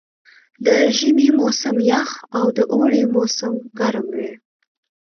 د ژمي موسم یخ او د اوړي موسم ګرم وي.